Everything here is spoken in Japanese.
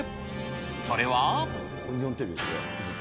それは？